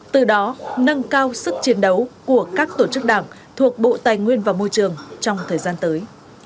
từ đó nâng cao sức chiến đấu của các tổ chức đảng thuộc bộ tài nguyên và môi trường trong thời gian tới